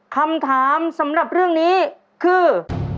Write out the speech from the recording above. คำถามสำหรับเรื่องนี้คือ